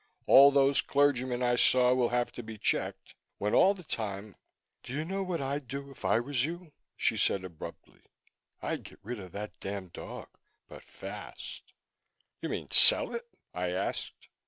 "All those clergymen I saw will have to be checked when all the time " "Do you know what I'd do if I was you," she said abruptly. "I'd get rid of that damn dog but fast." "You mean sell it?" I asked.